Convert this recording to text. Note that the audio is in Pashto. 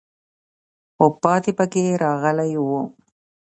خو پاتې پکې راغلی وو.